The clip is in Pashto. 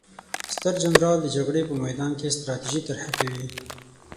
ستر جنرال د جګړې په میدان کې ستراتیژي طرحه کوي.